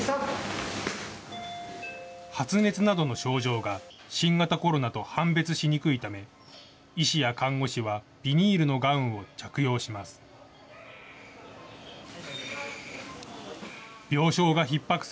発熱などの症状が新型コロナと判別しにくいため、医師や看護師はビニールのガウンを着用します。